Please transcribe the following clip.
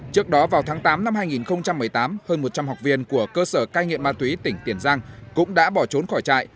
trước đó vào tháng tám năm hai nghìn một mươi tám hơn một trăm linh học viên của cơ sở cai nghiện ma túy tỉnh tiền giang cũng đã bỏ trốn khỏi trại